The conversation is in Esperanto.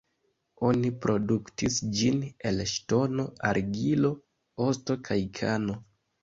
Oni produktis ĝin el ŝtono, argilo, osto kaj kano.